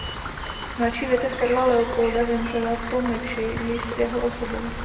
Mladší větev Karla Leopolda vymřela po meči již s jeho osobou.